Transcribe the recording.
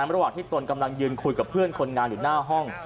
ระหว่างที่ตนกำลังยืนคุยกับเพื่อนคนงานอยู่หน้าห้อง